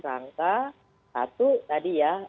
rangka satu tadi ya